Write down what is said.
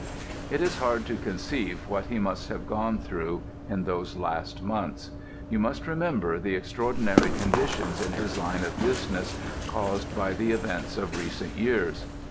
It is hard to conceive what he must have gone through in those last months. You must remember the extraordinary conditions in his line of business caused by the events of recent years.